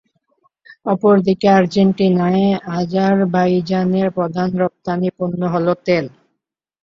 অপরদিকে আর্জেন্টিনায়, আজারবাইজানের প্রধান রপ্তানি পণ্য হল তেল।